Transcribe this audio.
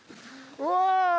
うわ！